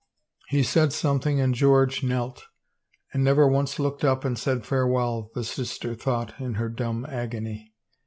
He said something and George knelt. And never once looked up and said farewell, the sister thought in her dumb agony.